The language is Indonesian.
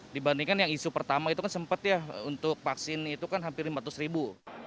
dibandingkan yang isu pertama itu kan sempat ya untuk vaksin itu kan hampir lima ratus ribu